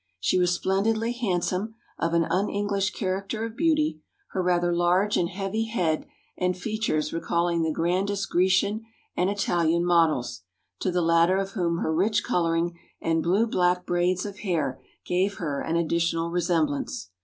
She was splendidly handsome, of an un English character of beauty, her rather large and heavy head and features recalling the grandest Grecian and Italian models, to the latter of whom her rich colouring and blue black braids of hair gave her an additional resemblance.